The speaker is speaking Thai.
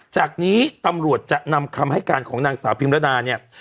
จากนี้ตำรวจจะนำคำให้การของนางสาวพิมรดาเนี่ย